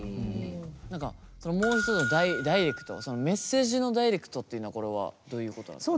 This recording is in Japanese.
もう一つのダイレクトそのメッセージのダイレクトっていうのはこれはどういうことですか？